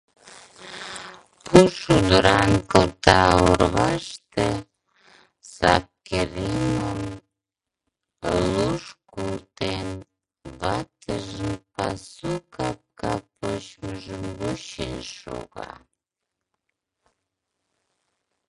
Пу шӱдыран кылта орваште, сапкеремым луш колтен, ватыжын пасу капка почмыжым вучен шога.